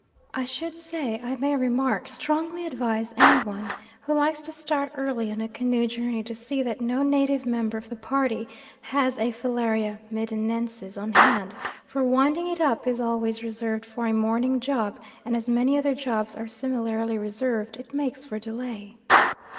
I should, I may remark, strongly advise any one who likes to start early on a canoe journey to see that no native member of the party has a Filaria medinensis on hand; for winding it up is always reserved for a morning job and as many other jobs are similarly reserved it makes for delay.